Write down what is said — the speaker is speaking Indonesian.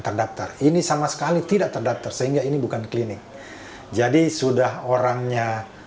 terdaftar ini sama sekali tidak terdaftar sehingga ini bukan klinik jadi sudah orangnya